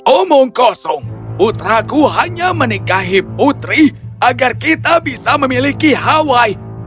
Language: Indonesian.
omong kosong putraku hanya menikahi putri agar kita bisa memiliki hawaii